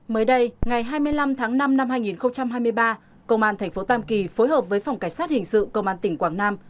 mới đây ngày hai mươi năm tháng năm năm hai nghìn hai mươi ba công an tp tam kỳ phối hợp với phòng cảnh sát hình sự công an tỉnh quảng nam